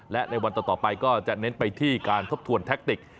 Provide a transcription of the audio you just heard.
และในวันต่อไปก็จะเน้นไปที่การทบทวนแท็กติก